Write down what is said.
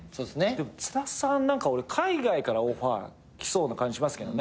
でも津田さん海外からオファー来そうな感じしますけどね。